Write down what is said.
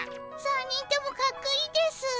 ３人ともかっこいいですぅ。